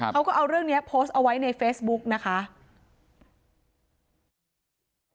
เขาก็เอาเรื่องนี้โพสต์เอาไว้ในเฟซบุ๊กนะคะ